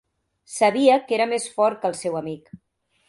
Sabia que era més fort que el seu amic.